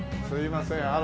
すいません。